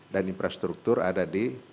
dan infrastruktur ada di